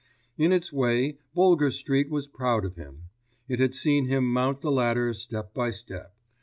In its way Boulger Street was proud of him; it had seen him mount the ladder step by step.